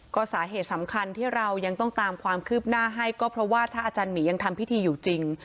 ก็สาเหตุสำคัญที่เรายังต้องตามความคืบหน้าให้ก็เพราะว่าถ้าอาจารย์หมียังทำพิธีอยู่จริง